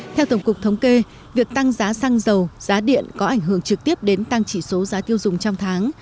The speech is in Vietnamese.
theo tổng cục thống kê việc tăng giá xăng dầu giá điện có ảnh hưởng trực tiếp đến tăng chỉ số giá tiêu dùng trong tháng